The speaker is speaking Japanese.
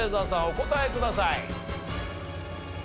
お答えください。